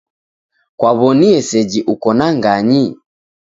Kwaw'onie seji uko na nganyi?